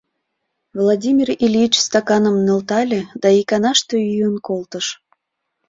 — Владимир Ильич стаканым нӧлтале да иканаште йӱын колтыш.